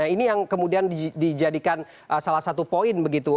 ini yang kemudian dijadikan salah satu poin begitu